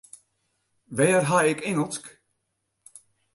Wêr ha ik Ingelsk?